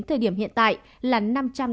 thời điểm hiện tại là năm trăm tám mươi bốn ca